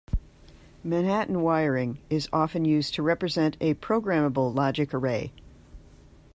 Manhattan wiring is often used to represent a programmable logic array.